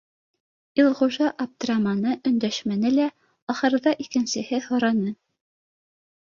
Илғужа аптыраманы, өндәшмәне лә, ахырҙа икенсеһе һораны: